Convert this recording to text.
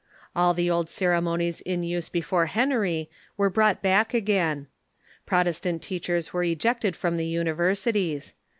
All the old ceremonies in use before Henry Avere brought back again. Protestant teach ers Avere ejected from the universities.